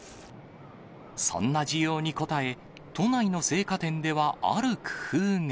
そんな需要に応え、都内の青果店では、ある工夫が。